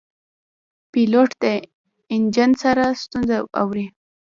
پیلوټ د انجن هره ستونزه اوري.